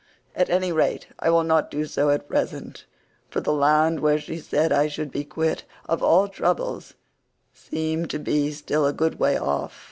At any rate I will not do so at present, for the land where she said I should be quit of all troubles seemed to be still a good way off.